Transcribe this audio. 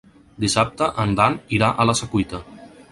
Dissabte en Dan irà a la Secuita.